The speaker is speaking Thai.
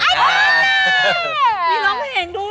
มีร้องเพลงด้วย